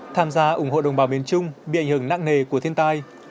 tham gia ủng hộ đồng bào miền trung bị ảnh hưởng nặng nề của thiên tai